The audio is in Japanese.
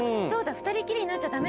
２人きりになっちゃダメ。